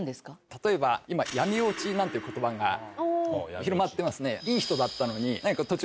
例えば今「闇堕ち」なんて言葉が広まってますね。